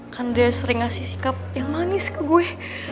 karena dia sering ngasih sikap yang manis ke gue